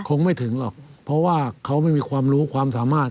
คงไม่ถึงหรอกเพราะว่าเขาไม่มีความรู้ความสามารถ